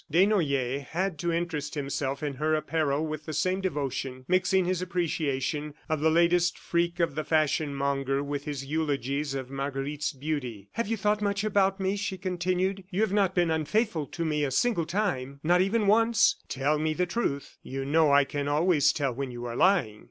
Desnoyers had to interest himself in her apparel with the same devotion, mixing his appreciation of the latest freak of the fashion monger with his eulogies of Marguerite's beauty. "Have you thought much about me?" she continued. "You have not been unfaithful to me a single time? Not even once? ... Tell me the truth; you know I can always tell when you are lying."